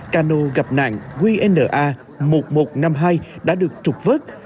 cano gặp nạn qna một nghìn một trăm năm mươi hai đã được trục vớt